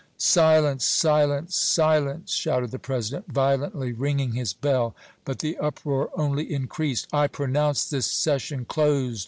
"Silence silence silence!" shouted the President, violently ringing his bell. But the uproar only increased. "I pronounce this session closed!"